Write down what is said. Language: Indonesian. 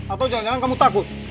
atau jangan jangan kamu takut